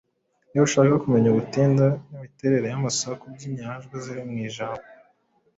Iyo ushaka kumenya ubutinde n’imiterere y’amasaku by’inyajwi ziri mu ijambo,